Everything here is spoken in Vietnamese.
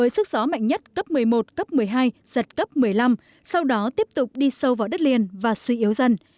sức gió mạnh nhất cấp một mươi một cấp một mươi hai giật cấp một mươi năm sau đó tiếp tục đi sâu vào đất liền và suy yếu dần